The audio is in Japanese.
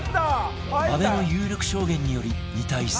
安部の有力証言により２対３に